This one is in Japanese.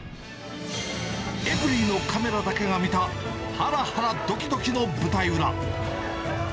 エブリィのカメラだけが見た、はらはらどきどきの舞台裏。